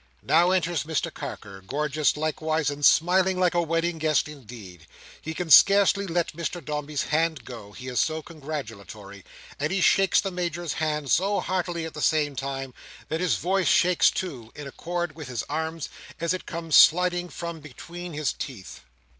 Now enters Mr Carker, gorgeous likewise, and smiling like a wedding guest indeed. He can scarcely let Mr Dombey's hand go, he is so congratulatory; and he shakes the Major's hand so heartily at the same time, that his voice shakes too, in accord with his arms, as it comes sliding from between his teeth.